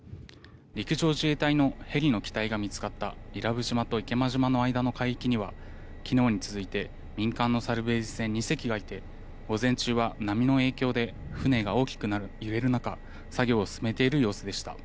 陸上自衛隊のヘリの機体が見つかった伊良部島と池間島の間の海域には昨日に続いて民間のサルベージ船２隻がいて午前中は波の影響で船が大きくなると言える中作業を進めている様子でした。